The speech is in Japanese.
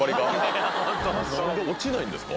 落ちないんですか？